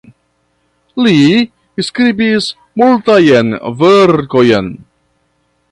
Li skribis multajn verkojn.